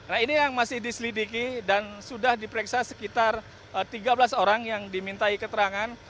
nah ini yang masih diselidiki dan sudah diperiksa sekitar tiga belas orang yang dimintai keterangan